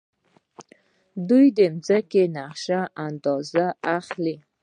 دوی د ځمکې نقشه او اندازه اخلي.